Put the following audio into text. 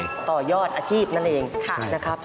ต่อยอดอาชีพนั่นเองนะครับ